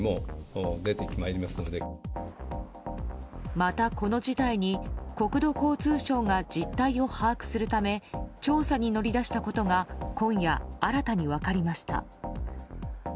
また、この事態に国土交通省が実態を把握するため調査に乗り出したことが今夜、新たに分かりました。